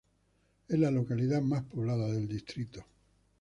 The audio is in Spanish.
Es la localidad más poblada del distrito.